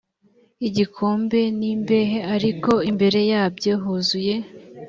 y igikombe n imbehe ariko imbere yabyo huzuye